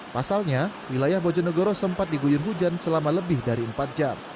pasalnya wilayah bojonegoro sempat diguyur hujan selama lebih dari empat jam